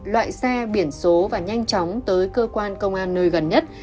loại xe biển số và nhanh chóng tới cơ quan công an nơi gần nhất